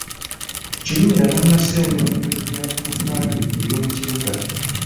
Kirumira tannasengula ttabi lya dduuka lye ery’omu kibuga.